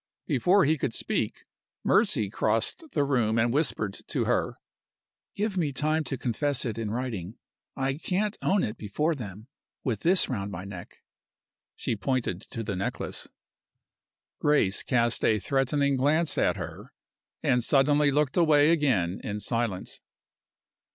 Before he could speak Mercy crossed the room and whispered to her, "Give me time to confess it in writing. I can't own it before them with this round my neck." She pointed to the necklace. Grace cast a threatening glance at her, and suddenly looked away again in silence.